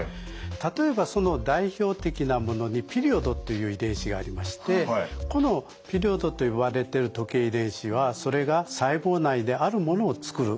例えばその代表的なものにピリオドという遺伝子がありましてこのピリオドと言われてる時計遺伝子はそれが細胞内であるものを作る。